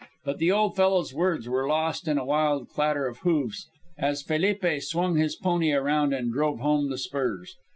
But the old fellow's words were lost in a wild clatter of hoofs, as Felipe swung his pony around and drove home the spurs.